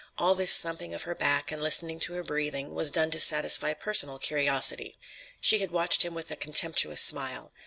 All this thumping of her back, and listening to her breathing, was done to satisfy personal curiosity. She had watched him with a contemptuous smile.